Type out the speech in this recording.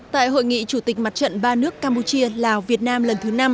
tại hội nghị chủ tịch mặt trận ba nước campuchia lào việt nam lần thứ năm